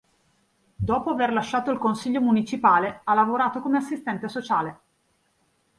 Dopo aver lasciato il consiglio municipale, ha lavorato come assistente sociale.